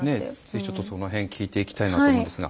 ぜひその辺聞いていきたいなと思うんですが。